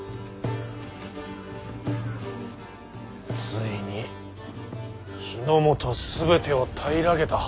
ついに日本全てを平らげた。